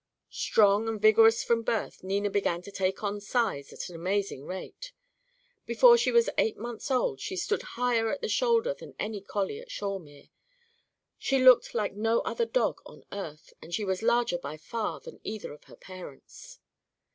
Strong and vigorous from birth, Nina began to take on size at an amazing rate. Before she was eight months old she stood higher at the shoulder than any collie at Shawemere. She looked like no other dog on earth, and she was larger by far than either of her parents.